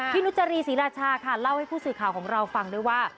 นุจรีศรีราชาค่ะเล่าให้ผู้สื่อข่าวของเราฟังด้วยว่า